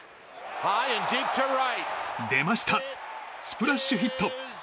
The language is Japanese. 出ました、スプラッシュヒット！